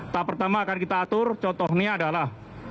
tahap pertama akan kita atur contohnya adalah